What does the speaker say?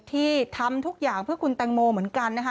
ที่ทำทุกอย่างเพื่อคุณแตงโมเหมือนกันนะคะ